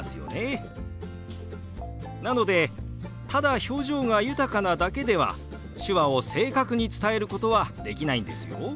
なのでただ表情が豊かなだけでは手話を正確に伝えることはできないんですよ。